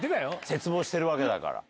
切望してるわけだから。